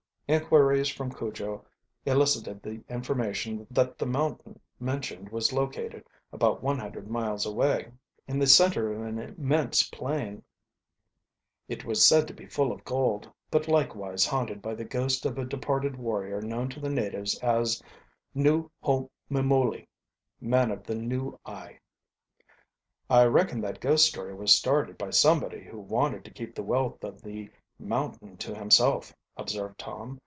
Inquiries from Cujo elicited the information that the mountain mentioned was located about one hundred miles away, in the center of an immense plain. It was said to be full of gold, but likewise haunted by the ghost of a departed warrior known to the natives as Gnu ho mumoli Man of the Gnu eye. "I reckon that ghost story, was started, by somebody who wanted, to keep the wealth of che mountain to himself," observed Tom.